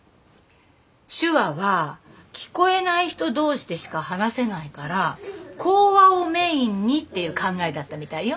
手話は聞こえない人同士でしか話せないから口話をメインにっていう考えだったみたいよ。